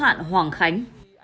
hữu hạn hoàng khánh